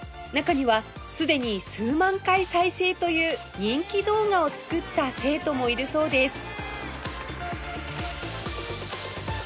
中にはすでに数万回再生という人気動画を作った生徒もいるそうです